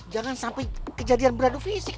jangan sampai kejadian beradu fisik